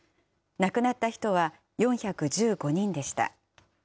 亡くなった人は４１５人でした。